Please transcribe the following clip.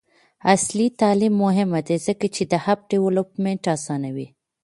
عصري تعلیم مهم دی ځکه چې د اپ ډیولپمنټ اسانوي.